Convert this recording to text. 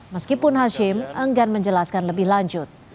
meskipun hashim enggan menjelaskan lebih lanjut